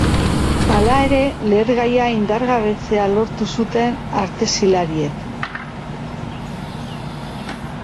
Hala ere, lehergaia indargabetzea lortu zuten artezilariek.